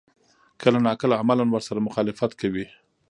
کله نا کله عملاً ورسره مخالفت کوي.